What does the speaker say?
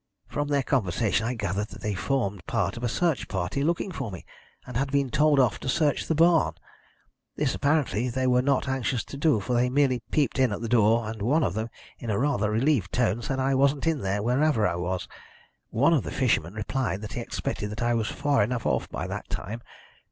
From their conversation I gathered that they formed part of a search party looking for me, and had been told off to search the barn. This apparently they were not anxious to do, for they merely peeped in at the door, and one of them, in rather a relieved tone, said I wasn't in there, wherever I was. One of the fishermen replied that he expected that I was far enough off by that time.